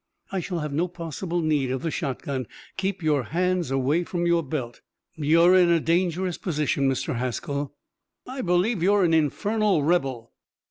I shall have no possible need of the shotgun. Keep your hands away from your belt. You're in a dangerous position, Mr. Haskell." "I believe you're an infernal rebel."